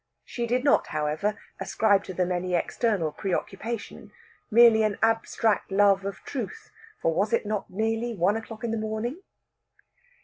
She did not, however, ascribe to them any external preoccupation merely an abstract love of Truth; for was it not nearly one o'clock in the morning?